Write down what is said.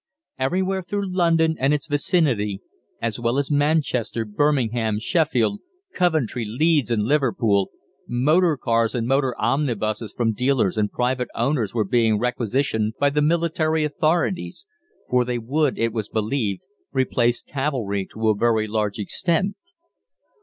Everywhere through London and its vicinity, as well as Manchester, Birmingham, Sheffield, Coventry, Leeds, and Liverpool, motor cars and motor omnibuses from dealers and private owners were being requisitioned by the military authorities, for they would, it was believed, replace cavalry to a very large extent.